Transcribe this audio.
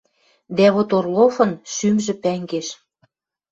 Дӓ вот Орловын шӱмжӹ пӓнгеш